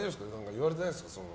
言われてないですか？